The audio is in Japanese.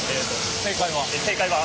正解は？